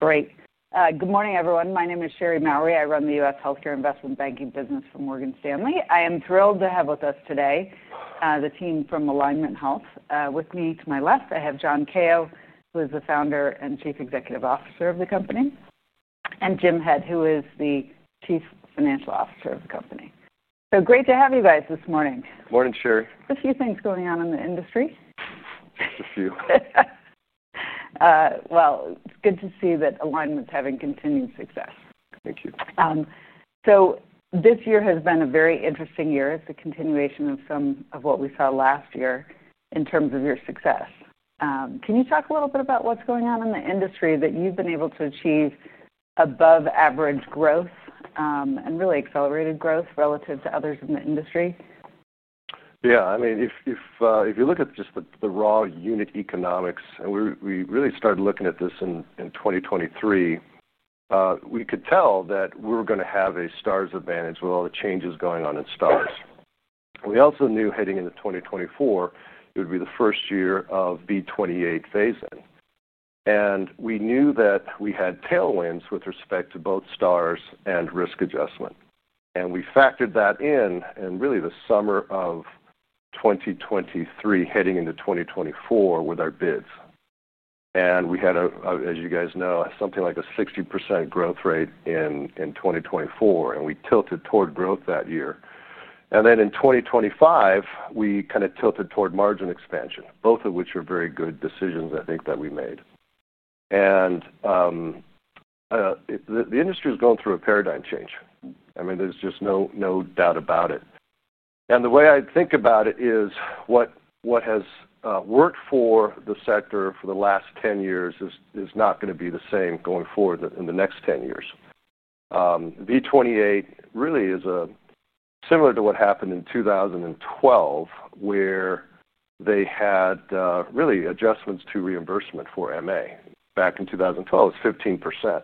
Great. Good morning, everyone. My name is Cheri Mowrey. I run the U.S. Healthcare Investment Banking business for Morgan Stanley. I am thrilled to have with us today the team from Alignment Healthcare. With me to my left, I have John Kao, who is the Founder and Chief Executive Officer of the company, and Jim Head, who is the Chief Financial Officer of the company. Great to have you guys this morning. Morning, Cheri. A few things going on in the industry. Just a few. Good to see that Alignment is having continued success. Thank you. This year has been a very interesting year. It's a continuation of some of what we saw last year in terms of your success. Can you talk a little bit about what's going on in the industry that you've been able to achieve above-average growth and really accelerated growth relative to others in the industry? Yeah, I mean, if you look at just the raw unit economics, and we really started looking at this in 2023, we could tell that we were going to have a Stars advantage with all the changes going on at Stars. We also knew heading into 2024, it would be the first year of V28 phase in. We knew that we had tailwinds with respect to both Stars and risk adjustment. We factored that in, and really the summer of 2023, heading into 2024 with our bids. We had, as you guys know, something like a 60% growth rate in 2024, and we tilted toward growth that year. In 2025, we kind of tilted toward margin expansion, both of which are very good decisions, I think, that we made. The industry is going through a paradigm change. There is just no doubt about it. The way I think about it is what has worked for the sector for the last 10 years is not going to be the same going forward in the next 10 years. V28 really is similar to what happened in 2012, where they had adjustments to reimbursement for MA. Back in 2012, it was 15%.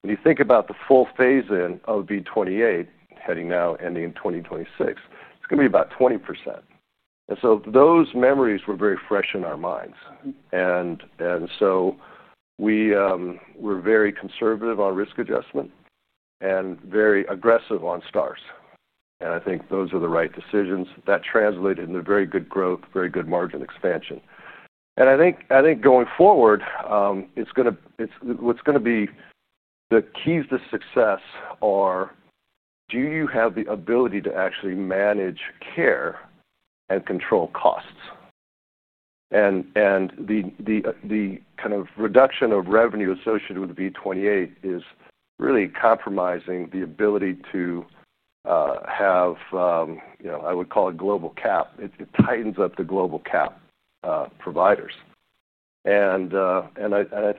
When you think about the full phase-in of V28, heading now, ending in 2026, it's going to be about 20%. Those memories were very fresh in our minds. We were very conservative on risk adjustment and very aggressive on Stars. I think those are the right decisions that translated into very good growth, very good margin expansion. I think going forward, what's going to be the keys to success are, do you have the ability to actually manage care and control costs? The kind of reduction of revenue associated with V28 is really compromising the ability to have, you know, I would call it global cap. It tightens up the global cap providers. I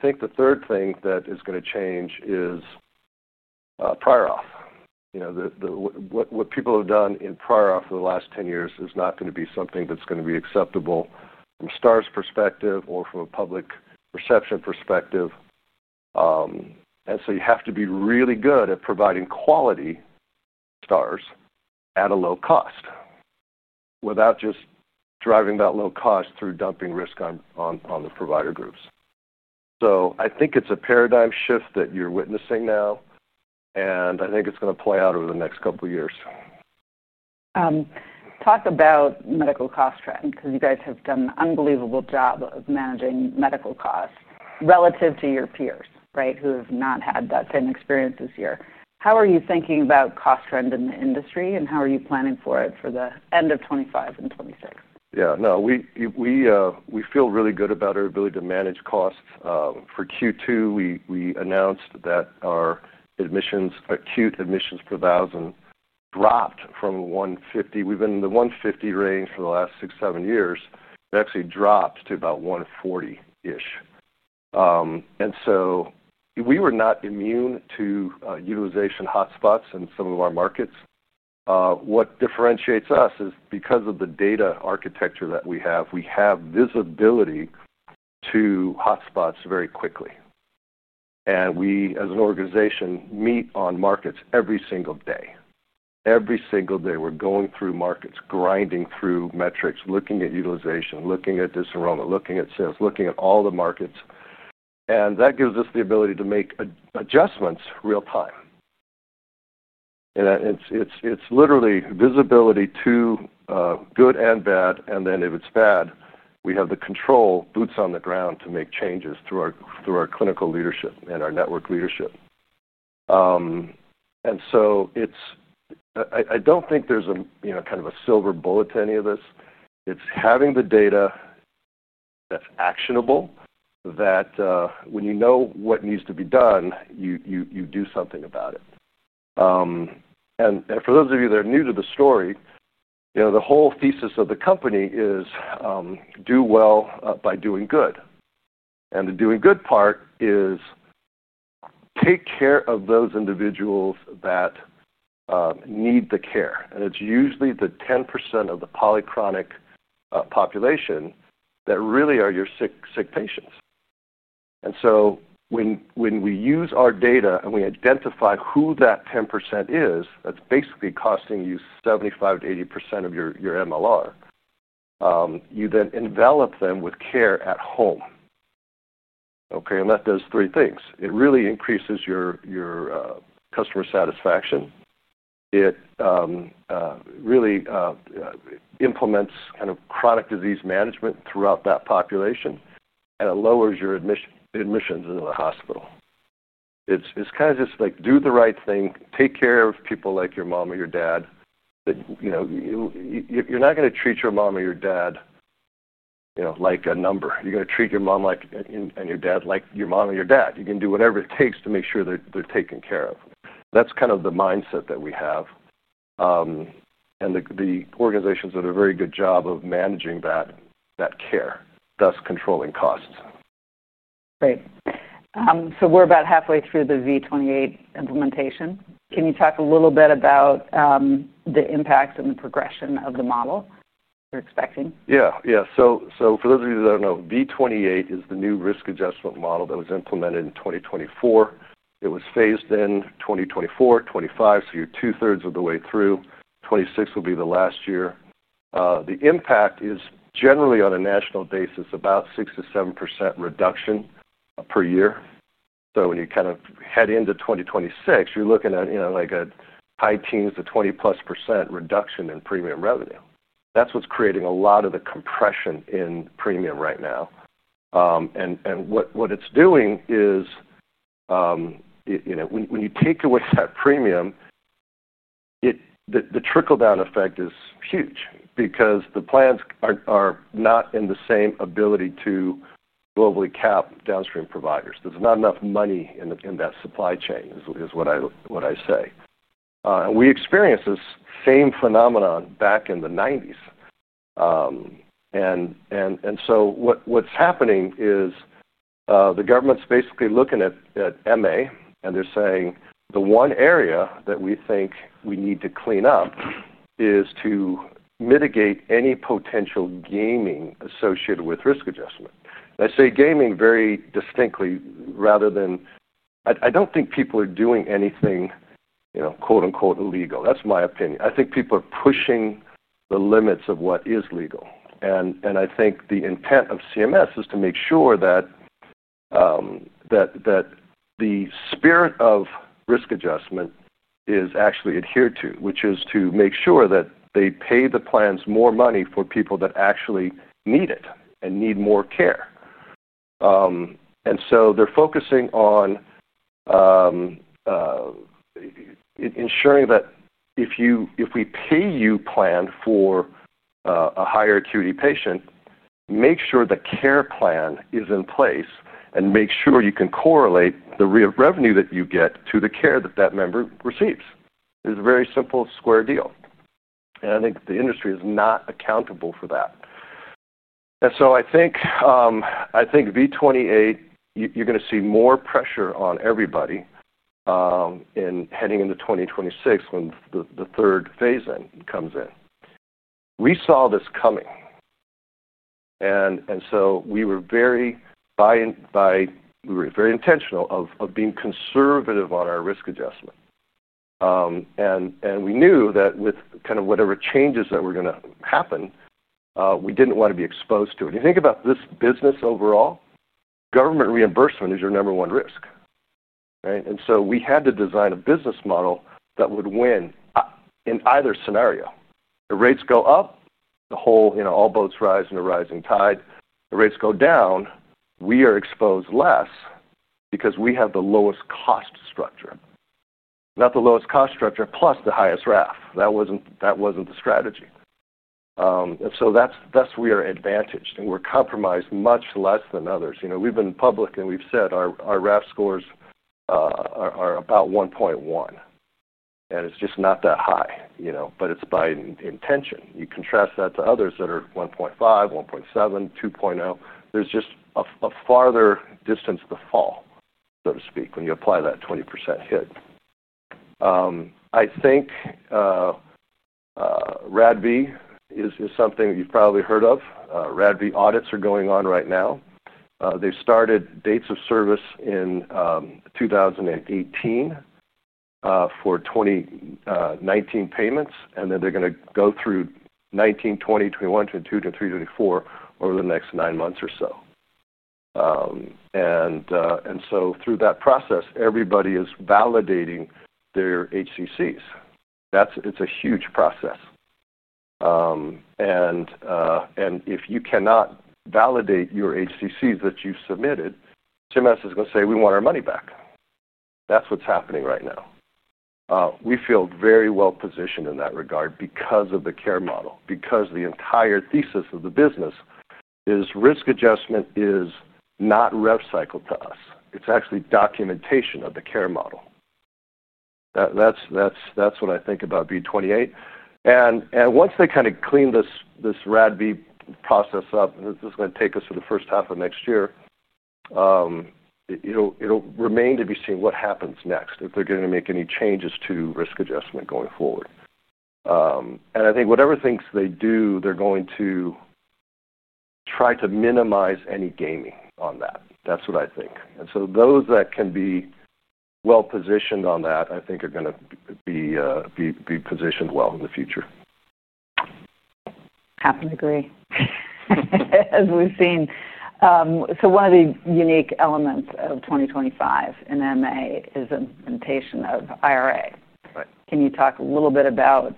think the third thing that is going to change is prior auth. What people have done in prior auth for the last 10 years is not going to be something that's going to be acceptable from a Stars perspective or from a public perception perspective. You have to be really good at providing quality Stars at a low cost without just driving that low cost through dumping risk on the provider groups. I think it's a paradigm shift that you're witnessing now, and I think it's going to play out over the next couple of years. Talk about medical cost trend, because you guys have done an unbelievable job of managing medical costs relative to your peers, right, who have not had that same experience this year. How are you thinking about cost trends in the industry, and how are you planning for it for the end of 2025 and 2026? Yeah, no, we feel really good about our ability to manage costs. For Q2, we announced that our acute admissions per 1,000 dropped from 150. We've been in the 150 range for the last six, seven years. It actually dropped to about 140-ish. We were not immune to utilization hotspots in some of our markets. What differentiates us is because of the data architecture that we have, we have visibility to hotspots very quickly. We, as an organization, meet on markets every single day. Every single day, we're going through markets, grinding through metrics, looking at utilization, looking at disenrollment, looking at sales, looking at all the markets. That gives us the ability to make adjustments real time. It's literally visibility to good and bad. If it's bad, we have the control boots on the ground to make changes through our clinical leadership and our network leadership. I don't think there's a kind of a silver bullet to any of this. It's having the data that's actionable, that when you know what needs to be done, you do something about it. For those of you that are new to the story, the whole thesis of the company is do well by doing good. The doing good part is take care of those individuals that need the care. It's usually the 10% of the polychronic population that really are your sick patients. When we use our data and we identify who that 10% is, that's basically costing you 75%-80% of your MLR. You then envelop them with care at home. That does three things. It really increases your customer satisfaction. It really implements kind of chronic disease management throughout that population, and it lowers your admissions into the hospital. It's kind of just like, do the right thing, take care of people like your mom or your dad. You're not going to treat your mom or your dad like a number. You're going to treat your mom and your dad like your mom and your dad. You can do whatever it takes to make sure they're taken care of. That's kind of the mindset that we have. The organizations do a very good job of managing that care, thus controlling costs. Right. We're about halfway through the V28 implementation. Can you talk a little bit about the impact and the progression of the model you're expecting? Yeah, yeah. For those of you that don't know, V28 is the new risk adjustment model that was implemented in 2024. It was phased in 2024, 2025, so you're two-thirds of the way through. 2026 will be the last year. The impact is generally on a national basis, about 6%-7% reduction per year. When you kind of head into 2026, you're looking at like a high teens to 20%+ reduction in premium revenue. That's what's creating a lot of the compression in premium right now. What it's doing is, when you take away that premium, the trickle-down effect is huge because the plans are not in the same ability to globally cap downstream providers. There's not enough money in that supply chain, is what I say. We experienced this same phenomenon back in the 1990s. What's happening is the government's basically looking at MA, and they're saying the one area that we think we need to clean up is to mitigate any potential gaming associated with risk adjustment. I say gaming very distinctly rather than I don't think people are doing anything, you know, quote unquote, illegal. That's my opinion. I think people are pushing the limits of what is legal. I think the intent of CMS is to make sure that the spirit of risk adjustment is actually adhered to, which is to make sure that they pay the plans more money for people that actually need it and need more care. They're focusing on ensuring that if we pay you a plan for a higher acuity patient, make sure the care plan is in place and make sure you can correlate the revenue that you get to the care that that member receives. It's a very simple square deal. I think the industry is not accountable for that. I think V28, you're going to see more pressure on everybody heading into 2026 when the third phase-in comes in. We saw this coming. We were very intentional of being conservative on our risk adjustment. We knew that with kind of whatever changes that were going to happen, we didn't want to be exposed to it. You think about this business overall, government reimbursement is your number one risk. Right? We had to design a business model that would win in either scenario. If rates go up, the whole, you know, all boats rise in a rising tide. If rates go down, we are exposed less because we have the lowest cost structure. Not the lowest cost structure plus the highest RAF. That wasn't the strategy. That is where we are advantaged and we're compromised much less than others. We've been public and we've said our RAF scores are about 1.1. It's just not that high, but it's by intention. You contrast that to others that are 1.5, 1.7, 2.0. There is just a farther distance to fall, so to speak, when you apply that 20% hit. I think RADV is something that you've probably heard of. RADV audits are going on right now. They started dates of service in 2018 for 2019 payments, and then they're going to go through 2019, 2020, 2021, 2022, 2023, 2024 over the next nine months or so. Through that process, everybody is validating their HCCs. It's a huge process. If you cannot validate your HCCs that you submitted, CMS is going to say, "We want our money back." That's what's happening right now. We feel very well positioned in that regard because of the care model, because the entire thesis of the business is risk adjustment is not rev cycle to us. It's actually documentation of the care model. That's what I think about V28. Once they kind of clean this RADV process up, and this is going to take us to the first half of next year, it'll remain to be seen what happens next, if they're going to make any changes to risk adjustment going forward. I think whatever things they do, they're going to try to minimize any gaming on that. That's what I think. Those that can be well positioned on that, I think are going to be positioned well in the future. have to agree, as we've seen. One of the unique elements of 2025 in MA is an implementation of the IRA. Can you talk a little bit about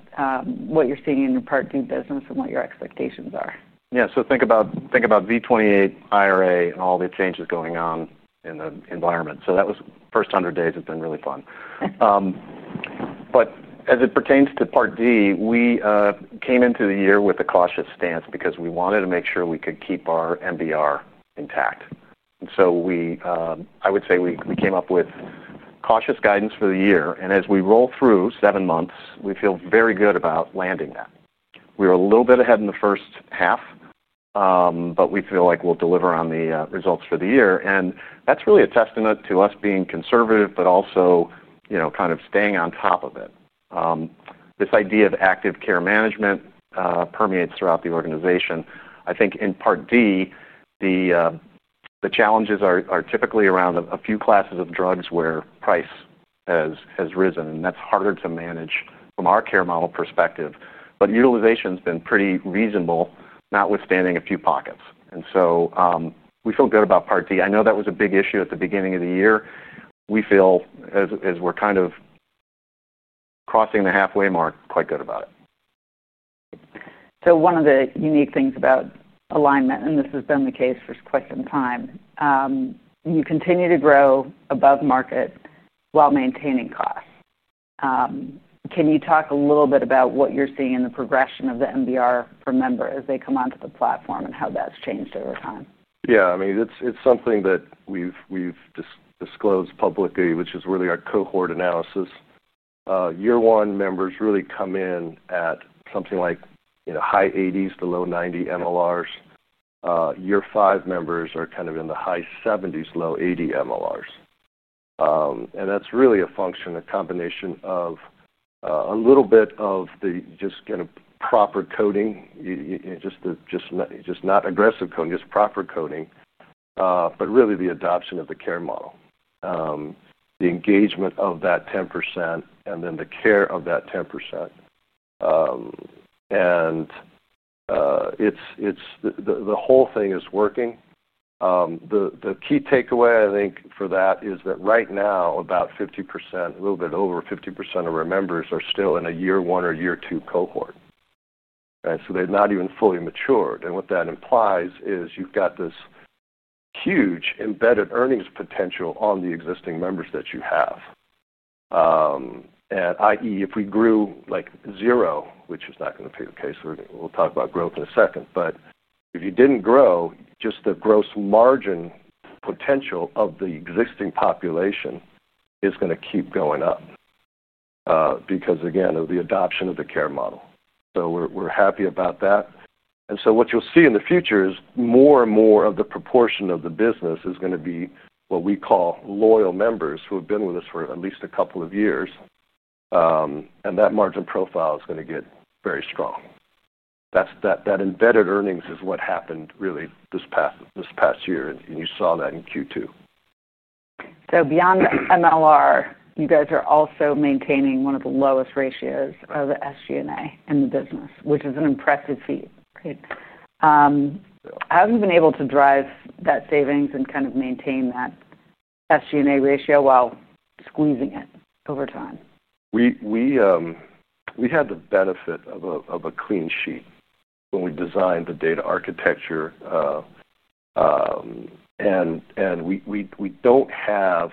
what you're seeing in your Part D business and what your expectations are? Yeah, so think about V28, the IRA and all the changes going on in the environment. That was the first 100 days. It's been really fun. As it pertains to part D, we came into the year with a cautious stance because we wanted to make sure we could keep our MLR intact. I would say we came up with cautious guidance for the year. As we roll through seven months, we feel very good about landing that. We were a little bit ahead in the first half, but we feel like we'll deliver on the results for the year. That's really a testament to us being conservative, but also, you know, kind of staying on top of it. This idea of active care management permeates throughout the organization. I think in Part D, the challenges are typically around a few classes of drugs where price has risen, and that's harder to manage from our care model perspective. Utilization has been pretty reasonable, notwithstanding a few pockets. We feel good about part D. I know that was a big issue at the beginning of the year. We feel, as we're kind of crossing the halfway mark, quite good about it. One of the unique things about Alignment, and this has been the case for quite some time, you continue to grow above market while maintaining costs. Can you talk a little bit about what you're seeing in the progression of the MBR per member as they come onto the platform and how that's changed over time? Yeah, I mean, it's something that we've disclosed publicly, which is really our cohort analysis. Year one members really come in at something like, you know, high 80s to low 90 MLRs. Year five members are kind of in the high 70s to low 80 MLRs. That's really a function, a combination of a little bit of the just kind of proper coding, just not aggressive coding, just proper coding, but really the adoption of the care model, the engagement of that 10%, and then the care of that 10%. The whole thing is working. The key takeaway, I think, for that is that right now, about 50%, a little bit over 50% of our members are still in a year one or year two cohort. Right? They've not even fully matured. What that implies is you've got this huge embedded earnings potential on the existing members that you have. I.e., if we grew like zero, which is not going to be the case for everything, we'll talk about growth in a second. If you didn't grow, just the gross margin potential of the existing population is going to keep going up because, again, of the adoption of the care model. We're happy about that. What you'll see in the future is more and more of the proportion of the business is going to be what we call loyal members who have been with us for at least a couple of years. That margin profile is going to get very strong. That embedded earnings is what happened really this past year. You saw that in Q2. Beyond MLR, you guys are also maintaining one of the lowest ratios of the SG&A in the business, which is an impressive feat. How have you been able to drive that savings and kind of maintain that SG&A ratio while squeezing it over time? We had the benefit of a clean sheet when we designed the data architecture. We don't have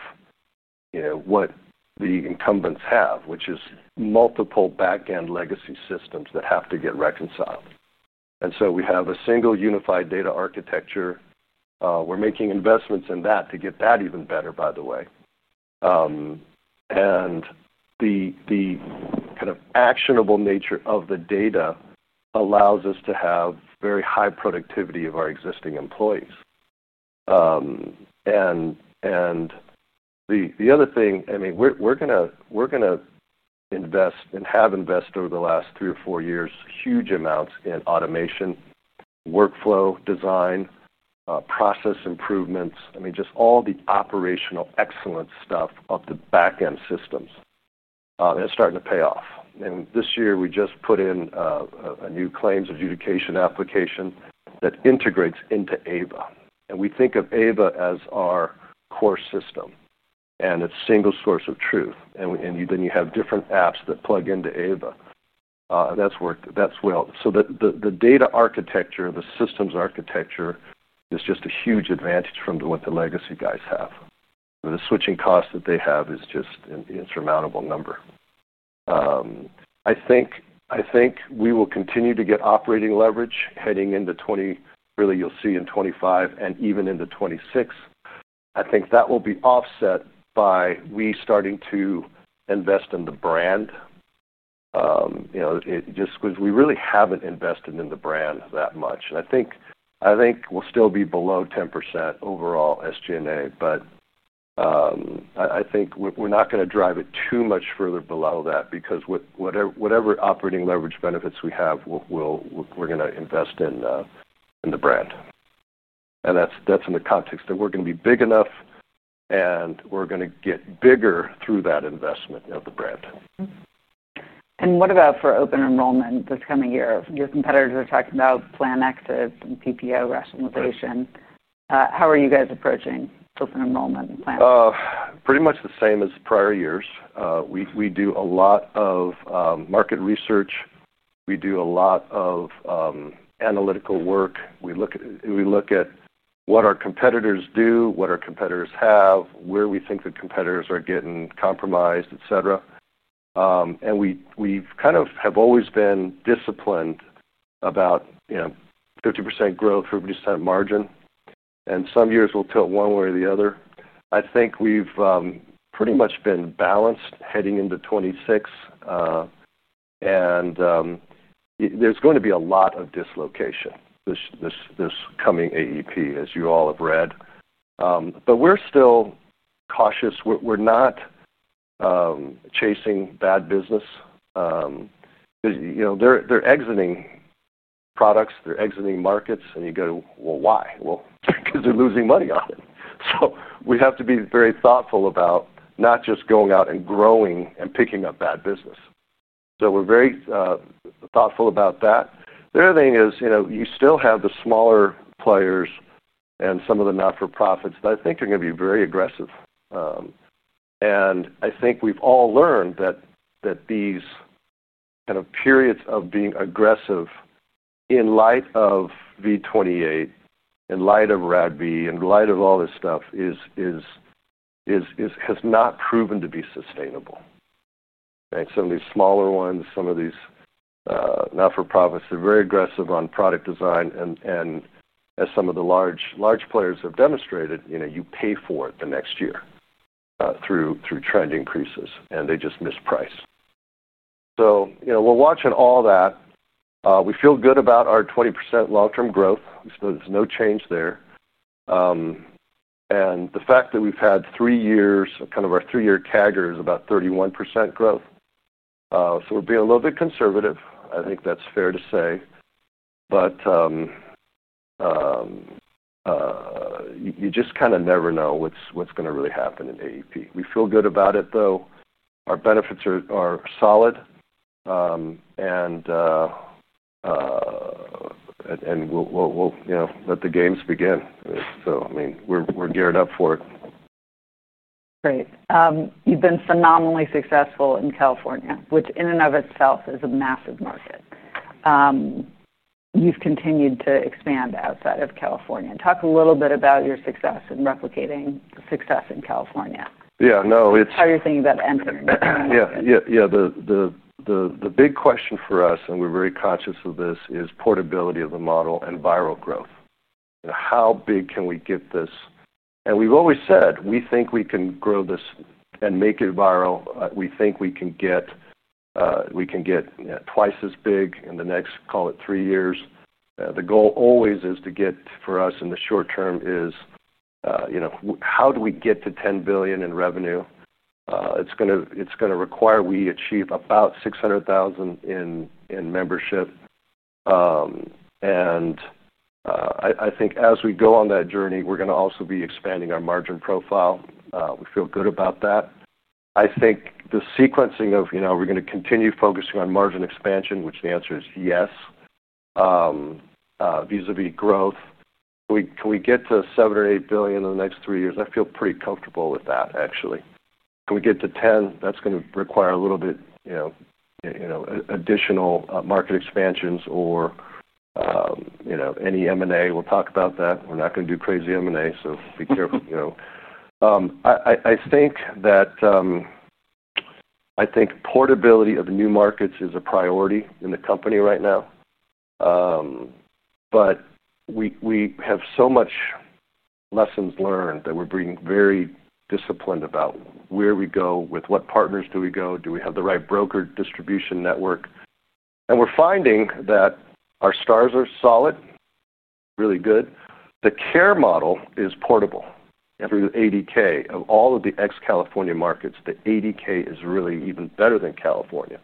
what the incumbents have, which is multiple backend legacy systems that have to get reconciled. We have a single unified data architecture. We're making investments in that to get that even better, by the way. The kind of actionable nature of the data allows us to have very high productivity of our existing employees. The other thing, we're going to invest and have invested over the last three or four years, huge amounts in automation, workflow design, process improvements, just all the operational excellent stuff of the backend systems. It's starting to pay off. This year, we just put in a new claims adjudication application that integrates into AVA. We think of AVA as our core system. It's a single source of truth. You have different apps that plug into AVA. That's worked. That's well. The data architecture, the systems architecture is just a huge advantage from what the legacy guys have. The switching costs that they have is just an insurmountable number. I think we will continue to get operating leverage heading into. Really, you'll see in 2025 and even into 2026. I think that will be offset by we starting to invest in the brand, just because we really haven't invested in the brand that much. I think we'll still be below 10% overall SG&A. I think we're not going to drive it too much further below that because whatever operating leverage benefits we have, we're going to invest in the brand. That's in the context that we're going to be big enough and we're going to get bigger through that investment of the brand. What about for open enrollment this coming year? Your competitors are talking about plan exits and PPO rationalization. How are you guys approaching open enrollment and plan exits? Pretty much the same as prior years. We do a lot of market research. We do a lot of analytical work. We look at what our competitors do, what our competitors have, where we think the competitors are getting compromised, etc. We have always been disciplined about, you know, 50% growth, 50% margin. Some years we'll tilt one way or the other. I think we've pretty much been balanced heading into 2026. There is going to be a lot of dislocation this coming AEP, as you all have read. We are still cautious. We're not chasing bad business. They're exiting products, they're exiting markets, and you go, why? Because they're losing money on it. We have to be very thoughtful about not just going out and growing and picking up bad business. We're very thoughtful about that. The other thing is, you still have the smaller players and some of the not-for-profits that I think are going to be very aggressive. I think we've all learned that these periods of being aggressive in light of V28, in light of RADV, in light of all this stuff, has not proven to be sustainable. Some of these smaller ones, some of these not-for-profits are very aggressive on product design. As some of the large players have demonstrated, you pay for it the next year through trend increases, and they just misprice. We're watching all that. We feel good about our 20% long-term growth. There is no change there. The fact that we've had three years, kind of our three-year CAGR is about 31% growth. We're being a little bit conservative. I think that's fair to say. You just kind of never know what's going to really happen in AEP. We feel good about it, though. Our benefits are solid. We'll let the games begin. I mean, we're geared up for it. Great. You've been phenomenally successful in California, which in and of itself is a massive market. You've continued to expand outside of California. Talk a little bit about your success and replicating the success in California. Yeah, no, it's. How you're thinking about entering the market. The big question for us, and we're very conscious of this, is portability of the model and viral growth. You know, how big can we get this? We've always said, we think we can grow this and make it viral. We think we can get, we can get, you know, twice as big in the next, call it three years. The goal always is to get, for us in the short term, is, you know, how do we get to $10 billion in revenue? It's going to require we achieve about 600,000 in membership. I think as we go on that journey, we're going to also be expanding our margin profile. We feel good about that. I think the sequencing of, you know, are we going to continue focusing on margin expansion, which the answer is yes, vis-à-vis growth? Can we get to $7 billion or $8 billion in the next three years? I feel pretty comfortable with that, actually. Can we get to $10 billion? That's going to require a little bit, you know, additional market expansions or, you know, any M&A. We'll talk about that. We're not going to do crazy M&A, so be careful. I think portability of new markets is a priority in the company right now. We have so much lessons learned that we're being very disciplined about where we go, with what partners do we go, do we have the right broker distribution network. We're finding that our STAR ratings are solid, really good. The care model is portable through the 80K. Of all of the ex-California markets, the 80K is really even better than California.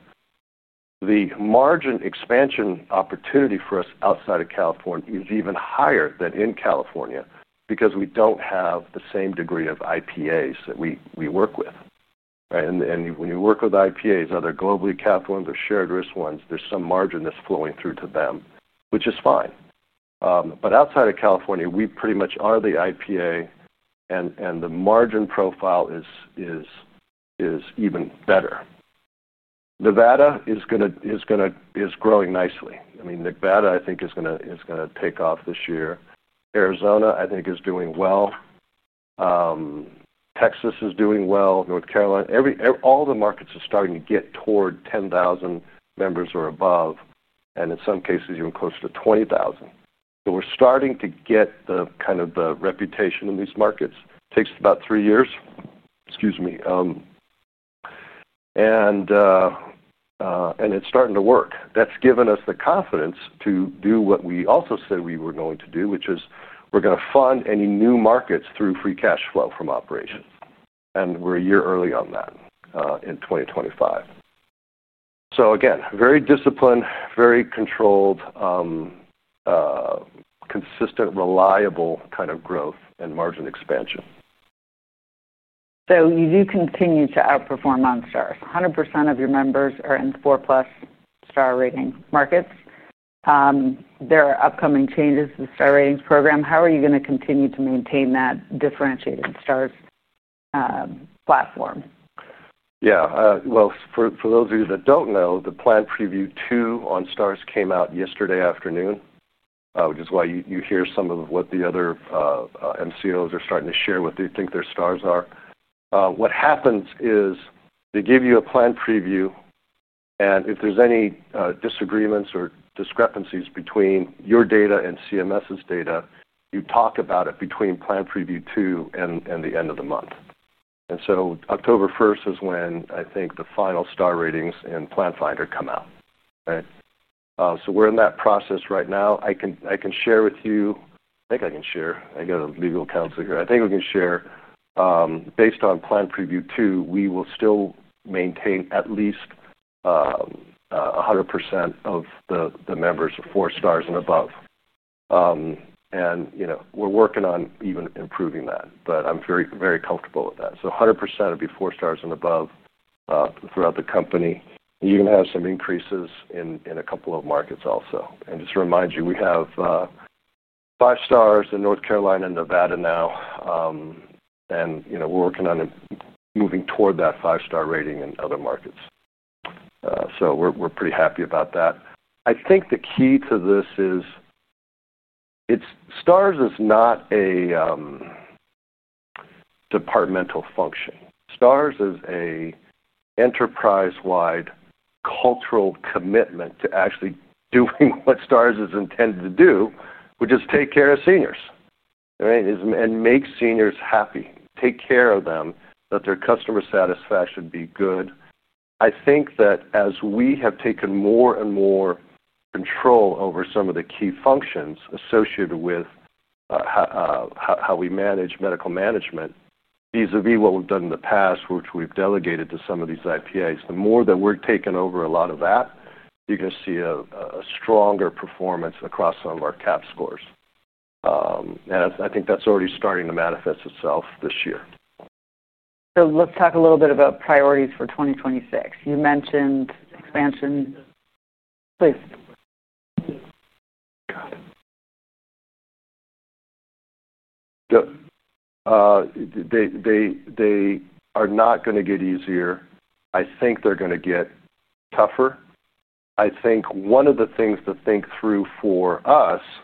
The margin expansion opportunity for us outside of California is even higher than in California because we don't have the same degree of IPAs that we work with. Right? When you work with IPAs, either globally capped ones or shared risk ones, there's some margin that's flowing through to them, which is fine. Outside of California, we pretty much are the IPA, and the margin profile is even better. Nevada is growing nicely. Nevada, I think, is going to take off this year. Arizona, I think, is doing well. Texas is doing well. North Carolina, all the markets are starting to get toward 10,000 members or above, and in some cases, even close to 20,000. We're starting to get the kind of the reputation in these markets. It takes about three years. Excuse me. It's starting to work. That's given us the confidence to do what we also said we were going to do, which is we're going to fund any new markets through free cash flow from operation. We're a year early on that in 2025. Again, very disciplined, very controlled, consistent, reliable kind of growth and margin expansion. You do continue to outperform on STAR. 100% of your members are in 4+ STAR rating markets. There are upcoming changes to the STAR ratings program. How are you going to continue to maintain that differentiated STAR platform? For those of you that don't know, the plan preview two on STAR came out yesterday afternoon, which is why you hear some of what the other MCOs are starting to share what they think their STAR are. What happens is they give you a plan preview, and if there's any disagreements or discrepancies between your data and CMS's data, you talk about it between plan preview two and the end of the month. October 1st is when I think the final STAR ratings and plan finder come out, right? We're in that process right now. I can share with you, I think I can share, I got legal counsel here, I think we can share, based on plan preview two, we will still maintain at least 100% of the members at 4 STARS and above. We're working on even improving that, but I'm very, very comfortable with that. 100% will be 4 STARS and above throughout the company. You're going to have some increases in a couple of markets also. Just to remind you, we have 5 STARS in North Carolina and Nevada now. We're working on moving toward that 5 STARS rating in other markets. We're pretty happy about that. I think the key to this is STAR is not a departmental function. STAR ratings is an enterprise-wide cultural commitment to actually doing what STAR ratings is intended to do, which is take care of seniors, right? Make seniors happy. Take care of them, that their customer satisfaction be good. I think that as we have taken more and more control over some of the key functions associated with how we manage medical management, vis-à-vis what we've done in the past, which we've delegated to some of these IPAs, the more that we're taking over a lot of that, you're going to see a stronger performance across some of our cap scores. I think that's already starting to manifest itself this year. Let's talk a little bit about priorities for 2026. You mentioned expansion. Please. They are not going to get easier. I think they're going to get tougher. I think one of the things to think through for us is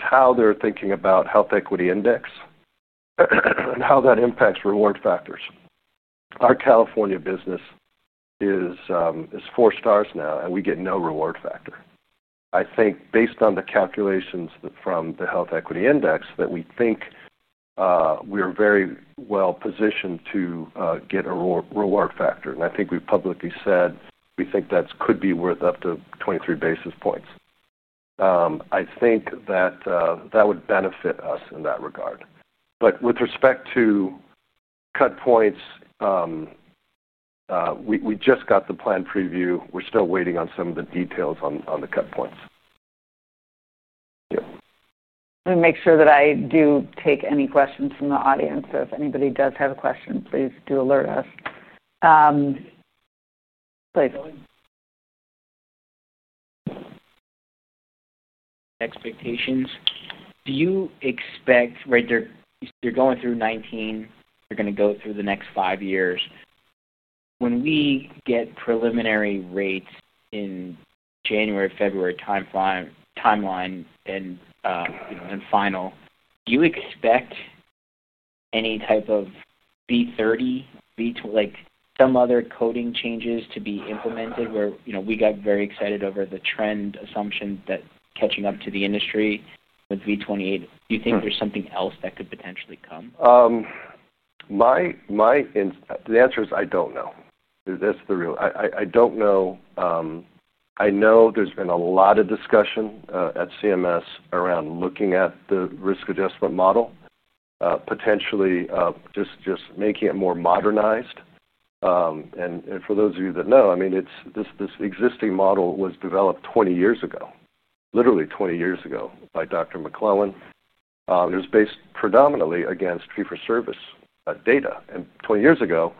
how they're thinking about health equity index and how that impacts reward factors. Our California business is 4 STARS now, and we get no reward factor. I think based on the calculations from the health equity index, that we think we're very well positioned to get a reward factor. I think we've publicly said we think that could be worth up to 23 basis points. That would benefit us in that regard. With respect to cut points, we just got the plan preview. We're still waiting on some of the details on the cut points. Let me make sure that I do take any questions from the audience. If anybody does have a question, please do alert us. Please. Expectations. Do you expect, right, you're going through 2019, you're going to go through the next five years. When we get preliminary rates in January, February timeline, and final, do you expect any type of B30, like some other coding changes to be implemented where, you know, we got very excited over the trend assumption that catching up to the industry with V28, do you think there's something else that could potentially come? The answer is I don't know. That's the real, I don't know. I know there's been a lot of discussion at CMS around looking at the risk adjustment model, potentially just making it more modernized. For those of you that know, I mean, this existing model was developed 20 years ago, literally 20 years ago by Dr. McClellan. It was based predominantly against fee-for-service data. 20 years ago,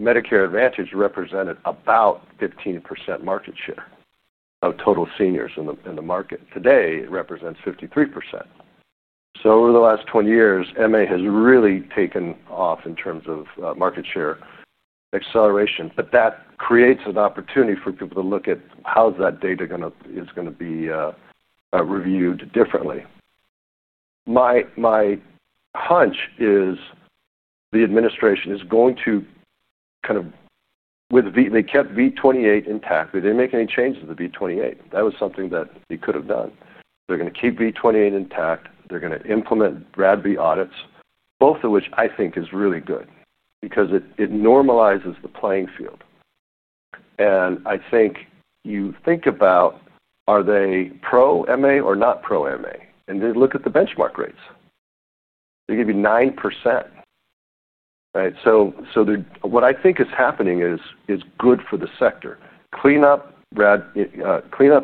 Medicare Advantage represented about 15% market share of total seniors in the market. Today, it represents 53%. Over the last 20 years, MA has really taken off in terms of market share acceleration. That creates an opportunity for people to look at how that data is going to be reviewed differently. My hunch is the administration is going to kind of, they kept V28 intact. Did they make any changes to the V28? That was something that they could have done. They're going to keep V28 intact. They're going to implement RADV audits, both of which I think is really good because it normalizes the playing field. I think you think about, are they pro-MA or not pro-MA? They look at the benchmark rates. They give you 9%. What I think is happening is good for the sector. Clean up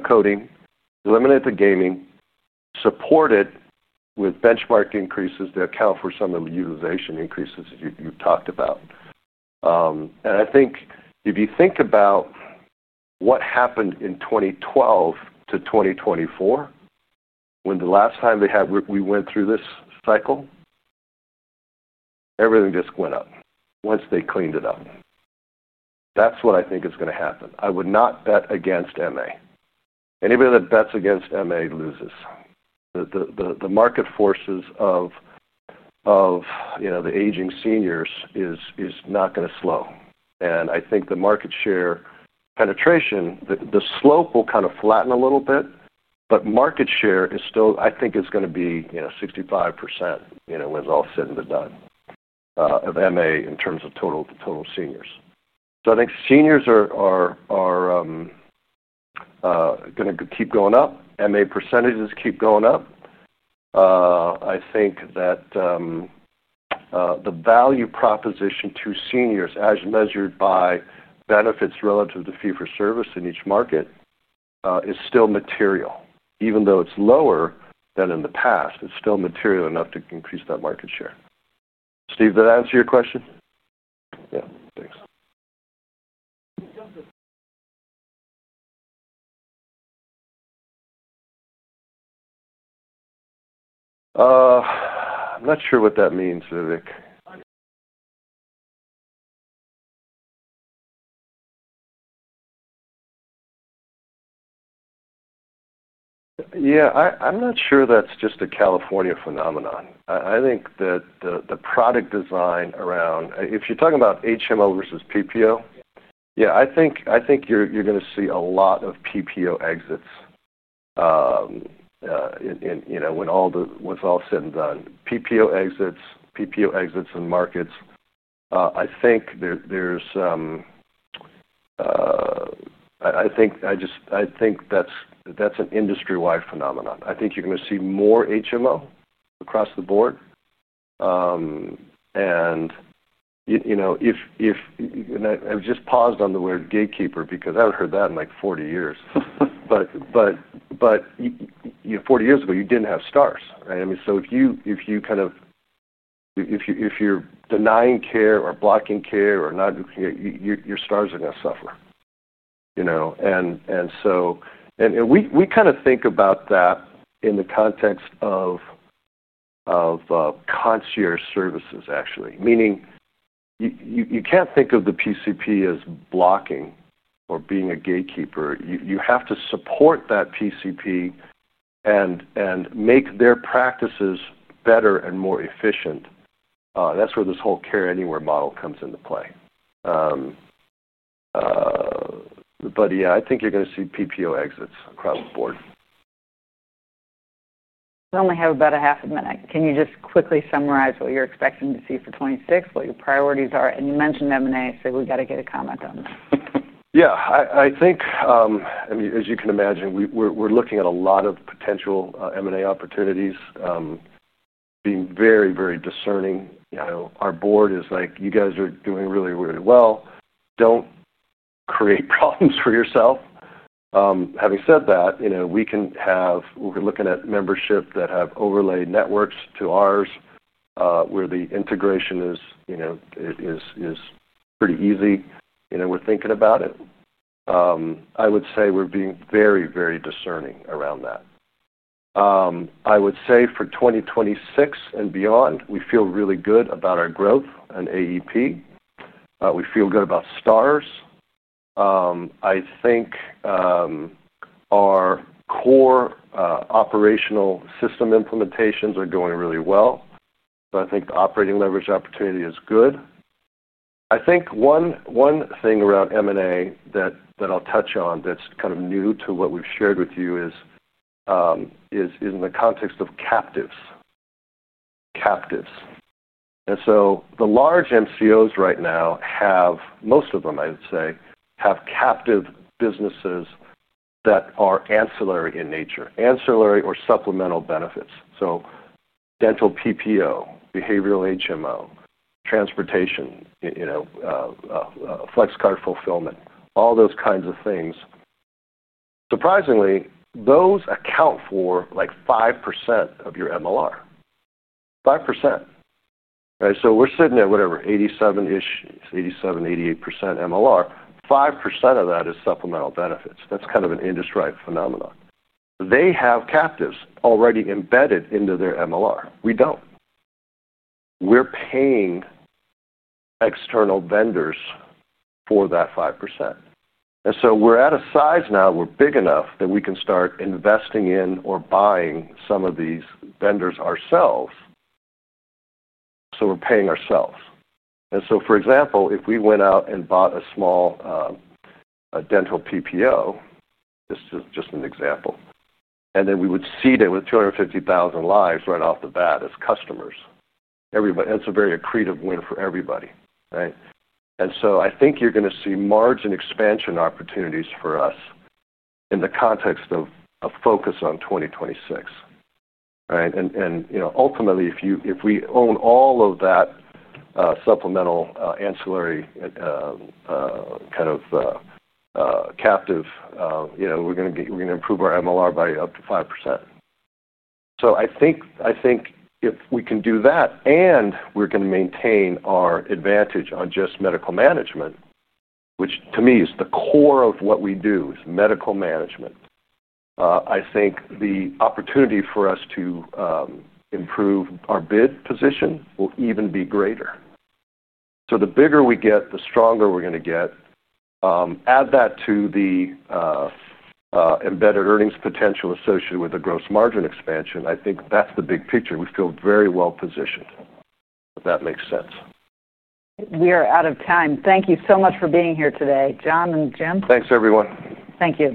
coding, eliminate the gaming, support it with benchmark increases that account for some of the utilization increases you've talked about. If you think about what happened in 2012-2024, when the last time they had, we went through this cycle, everything just went up once they cleaned it up. That's what I think is going to happen. I would not bet against MA. Anybody that bets against MA loses. The market forces of, you know, the aging seniors is not going to slow. I think the market share penetration, the slope will kind of flatten a little bit, but market share is still, I think, is going to be, you know, 65%, you know, when it's all said and done, of MA in terms of total seniors. I think seniors are going to keep going up. MA percentages keep going up. I think that the value proposition to seniors, as measured by benefits relative to fee-for-service in each market, is still material. Even though it's lower than in the past, it's still material enough to increase that market share. Steve, did that answer your question? I'm not sure what that means. Yeah, I'm not sure that's just a California phenomenon. I think that the product design around, if you're talking about HMO versus PPO, yeah, I think you're going to see a lot of PPO exits when all is said and done, PPO exits in markets. I think that's an industry-wide phenomenon. I think you're going to see more HMO across the board. I've just paused on the word gatekeeper because I haven't heard that in like 40 years. 40 years ago, you didn't have STAR right? If you're denying care or blocking care, your STAR are going to suffer. We kind of think about that in the context of concierge services, actually, meaning you can't think of the PCP as blocking or being a gatekeeper. You have to support that PCP and make their practices better and more efficient. That's where this whole care anywhere model comes into play. I think you're going to see PPO exits across the board. We only have about half a minute. Can you just quickly summarize what you're expecting to see for 2026, what your priorities are? You mentioned M&A, so we have to get a comment on this. Yeah, I think, I mean, as you can imagine, we're looking at a lot of potential M&A opportunities, being very, very discerning. You know, our board is like, you guys are doing really, really well. Don't create problems for yourself. Having said that, we're looking at membership that have overlay networks to ours, where the integration is pretty easy. We're thinking about it. I would say we're being very, very discerning around that. I would say for 2026 and beyond, we feel really good about our growth and AEP. We feel good about STAR. I think our core operational system implementations are going really well. I think the operating leverage opportunity is good. One thing around M&A that I'll touch on that's kind of new to what we've shared with you is in the context of captives. Captives. The large MCOs right now have, most of them, I would say, have captive businesses that are ancillary in nature. Ancillary or supplemental benefits. So dental PPO, behavioral HMO, transportation, flex card fulfillment, all those kinds of things. Surprisingly, those account for like 5% of your MLR. 5%. Right? We're sitting at whatever, 87-ish, 87, 88% MLR. 5% of that is supplemental benefits. That's kind of an industry-like phenomenon. They have captives already embedded into their MLR. We don't. We're paying external vendors for that 5%. We're at a size now, we're big enough that we can start investing in or buying some of these vendors ourselves. We're paying ourselves. For example, if we went out and bought a small dental PPO, this is just an example, and then we would seed it with 250,000 lives right off the bat as customers. Everybody, that's a very accretive win for everybody. I think you're going to see margin expansion opportunities for us in the context of a focus on 2026. Ultimately, if we own all of that supplemental, ancillary kind of captive, we're going to improve our MLR by up to 5%. I think if we can do that and we're going to maintain our advantage on just medical management, which to me is the core of what we do, is medical management, I think the opportunity for us to improve our bid position will even be greater. The bigger we get, the stronger we're going to get. Add that to the embedded earnings potential associated with the gross margin expansion. I think that's the big picture. We feel very well positioned, if that makes sense. We are out of time. Thank you so much for being here today, John and Jim. Thanks, everyone. Thank you.